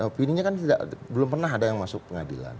opininya kan belum pernah ada yang masuk pengadilan